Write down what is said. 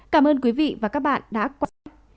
cảm ơn quý vị và các bạn đã quan sát